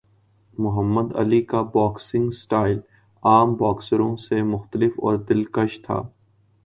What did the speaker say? محمد Ali کا boxing style عام باکسروں سے مختلف اور دلکش تھا۔